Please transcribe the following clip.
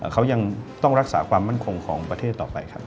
เขายังต้องรักษาความมั่นคงของประเทศต่อไปครับ